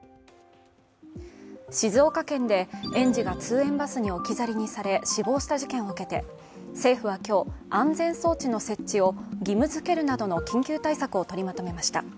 静岡県で、園児が通園バスに置き去りにされ死亡した事件を受けて、政府は今日安全装置の設置を義務づけるなどの緊急対策を取りまとめました。